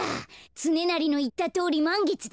つねなりのいったとおりまんげつだ。